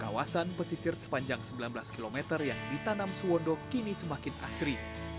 kawasan pesisir sepanjang sembilan belas km yang ditanam suwondo kini semakin asri